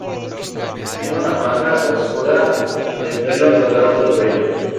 Tiene una franja obscura de pelo a los lados del cuello.